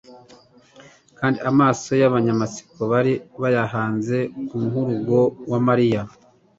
kandi amaso y'abanyamatsiko bari bayahanze ku muhurugu wa Mariya.